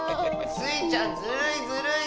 スイちゃんずるいずるい！